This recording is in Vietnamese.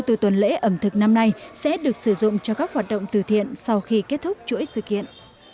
điểm đặc biệt là toàn bộ xoanh thu từ tuần lễ ẩm thực năm nay sẽ được sử dụng cho các hoạt động từ thiện sau khi kết thúc chuỗi sự kiện